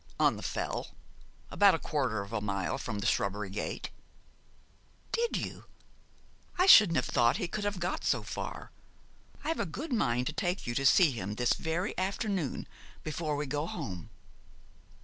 'On the Fell, about a quarter of a mile from the shrubbery gate.' 'Did you? I shouldn't have thought he could have got so far. I've a good mind to take you to see him, this very afternoon, before we go home.'